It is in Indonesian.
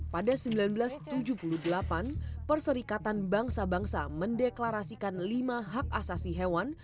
pada seribu sembilan ratus tujuh puluh delapan perserikatan bangsa bangsa mendeklarasikan lima hak asasi hewan